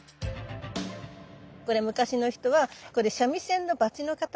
これ昔の人は三味線のバチの形？